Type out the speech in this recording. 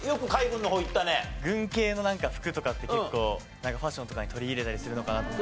軍系のなんか服とかって結構ファッションとかに取り入れたりするのかなって。